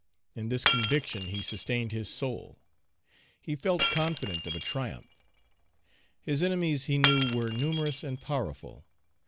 In this conviction he sustained his soul. He felt confident of a triumph. His enemies he knew were numerous and powerful.